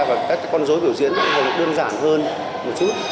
và các con dối biểu diễn cũng hầu như đơn giản hơn một chút